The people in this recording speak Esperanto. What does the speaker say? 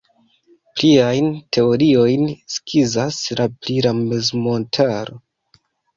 Pliajn teoriojn skizas la pri la mezmontaro.